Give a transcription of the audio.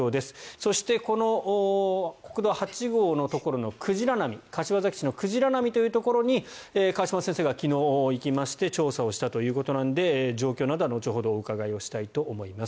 そして、この国道８号のところの柏崎市の鯨波というところに河島先生が昨日、行きまして調査をしたということなので状況などは後ほどお伺いしたいと思います。